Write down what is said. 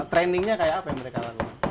trainingnya kayak apa yang mereka lakukan